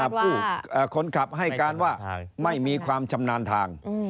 แต่ผู้คนขับให้การว่าไม่มีความชำนาญทาง